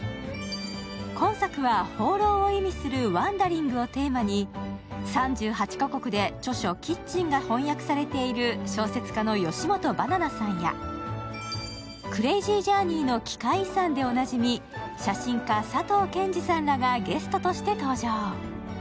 今作は放浪を意味する「ＷＡＮＤＥＲＩＮＧ」をテーマに３８か国で著書「キッチン」が翻訳されている小説家の吉本ばななさんや「クレイジージャーニー」の奇界遺産でおなじみ写真家、佐藤健寿さんらがゲストとして登場。